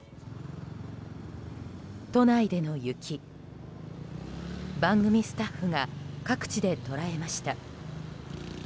都内での雪、番組スタッフが各地で捉えました。